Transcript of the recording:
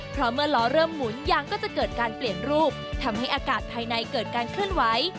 เพราะเมื่อล้อเริ่มหมุนยางก็จะเกิดการเปลี่ยนรูปทำให้อากาศภายในเกิดการเคลื่อนไหว